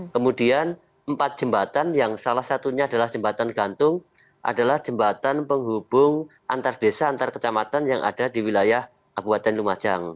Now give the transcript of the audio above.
kemudian empat jembatan yang salah satunya adalah jembatan gantung adalah jembatan penghubung antar desa antar kecamatan yang ada di wilayah kabupaten lumajang